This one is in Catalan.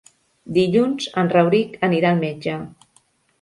Dilluns en Rauric anirà al metge.